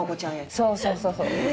そうそうそうそう。